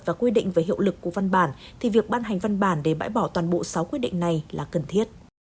và quy định về hiệu lực của văn bản thì việc ban hành văn bản để bãi bỏ toàn bộ sáu quyết định này là cần thiết